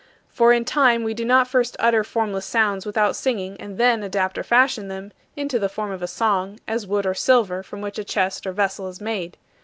For in time we do not first utter formless sounds without singing and then adapt or fashion them into the form of a song, as wood or silver from which a chest or vessel is made.